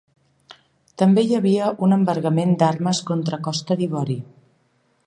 També hi havia un embargament d'armes contra Costa d'Ivori.